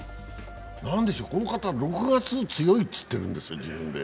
何でしょう、この方は６月強いと言っているんですよ、自分で。